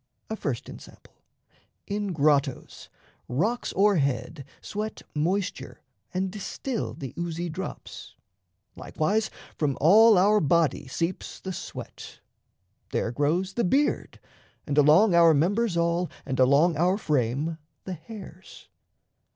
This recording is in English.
A first ensample: in grottos, rocks o'erhead Sweat moisture and distil the oozy drops; Likewise, from all our body seeps the sweat; There grows the beard, and along our members all And along our frame the hairs.